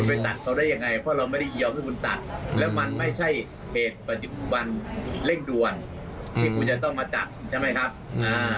ผ่าตัดใหญ่น้องเขาอายุ๒๒ปีเอง